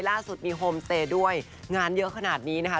ล่าสุดมีโฮมสเตย์ด้วยงานเยอะขนาดนี้นะคะ